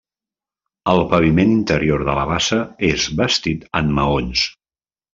El paviment interior de la bassa és bastit en maons.